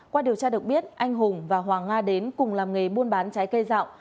qua điều tra được biết anh hùng và hoàng nga đến cùng làm nghề buôn bán trái cây dạo